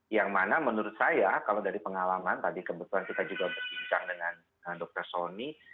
yang mana menurut saya kalau dari pengalaman tadi kebetulan kita juga berbincang dengan dr sony